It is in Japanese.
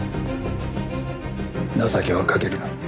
情けはかけるな。